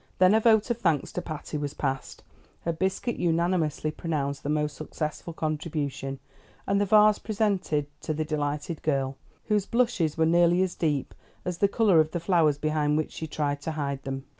Then a vote of thanks to Patty was passed, her biscuit unanimously pronounced the most successful contribution, and the vase presented to the delighted girl, whose blushes were nearly as deep as the color of the flowers behind which she tried to hide them.